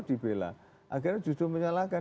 dibela akhirnya justru menyalahkan